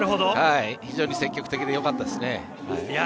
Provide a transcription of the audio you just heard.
非常に積極的でよかったですね。